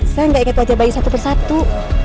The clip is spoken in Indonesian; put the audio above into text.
saya gak ingat aja bayi satu persatu